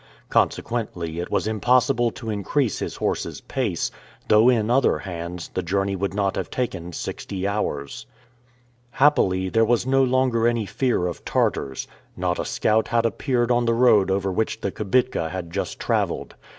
Consequently, it was impossible to increase his horse's pace, though in other hands, the journey would not have taken sixty hours. Happily, there was no longer any fear of Tartars. Not a scout had appeared on the road over which the kibitka had just traveled.